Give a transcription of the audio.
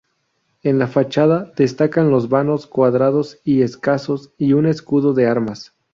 En la fachada destacan los vanos, cuadrados y escasos, y un escudo de armas.